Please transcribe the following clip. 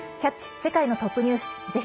世界のトップニュース」。